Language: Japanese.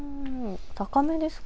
高めですか。